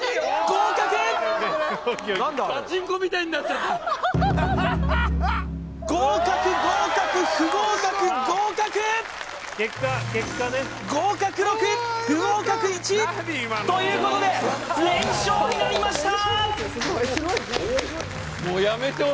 合格合格不合格合格ということで連勝になりました！